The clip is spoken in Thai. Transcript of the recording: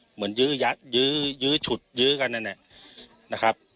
เหมือนยื้อยัดยื้อชุดยื้อกันนะครับ